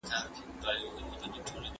اسوېلي به زیاتي نه لرم په خوله کي